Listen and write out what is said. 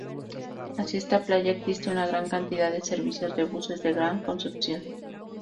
Hacia esta playa existe una gran cantidad de servicios de buses del Gran Concepción.